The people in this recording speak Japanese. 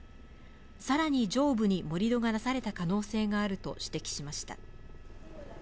さらに上部に盛り土がなされた可能性があると指摘しました。